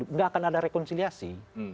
nggak akan ada rekonsiliasi